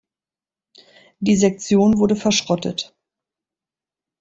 Die Sektion wurde verschrottet.